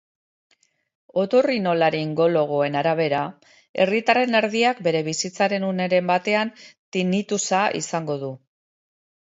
Otorrinolaringologoen arabera, herritarren erdiak bere bizitzaren uneren batean tinnitusa izango du.